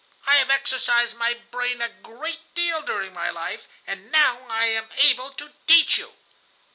I have exercised my brain a great deal during my life, and now I am able to teach you."